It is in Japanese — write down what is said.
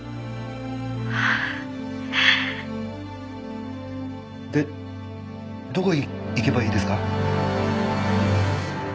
「ああ」でどこに行けばいいですか？